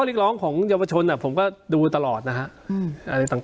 ลิกร้องของยาวชนน่ะผมก็ดูตลอดนะฮะอืมอะไรต่าง